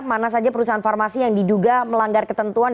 mana saja perusahaan farmasi yang diduga melanggar ketentuan